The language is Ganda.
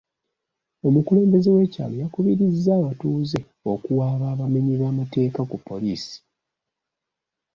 Omukulembeze w'ekyalo yakubirizza abatuuze okuwaaba abamenyi b'amateeka ku poliisi.